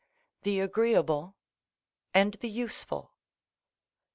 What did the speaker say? _, the agreeable and the useful.